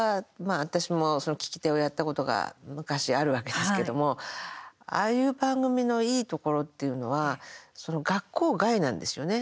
私も聴き手をやったことが、昔あるわけですけれどもああいう番組のいいところっていうのは学校外なんですよね。